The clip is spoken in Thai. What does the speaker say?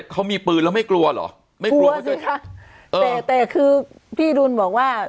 เขามีปืนแล้วไม่กลัวหรอไม่กลัวสิค่ะแต่คือพี่ดุลบอกว่า